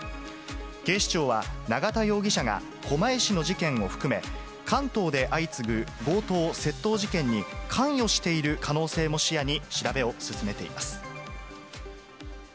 警視庁は、永田容疑者が狛江市の事件を含め、関東で相次ぐ強盗・窃盗事件に関与している可能性も視野に調べを進めています。